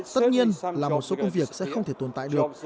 tất nhiên là một số công việc sẽ không thể tồn tại được